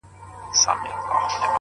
نیک چلند د دوستۍ تخم کرل دي.!